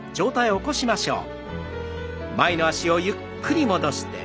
起こしましょう。